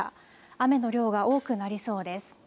雨の量が多くなりそうです。